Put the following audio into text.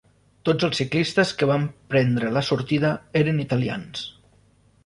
Tots els ciclistes que van prendre la sortida eren italians.